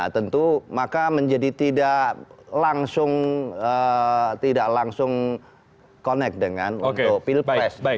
tentu maka menjadi tidak langsung connect dengan untuk pilpres